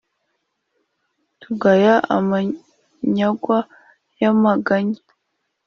Tuyaga amanyagwa y'amaganya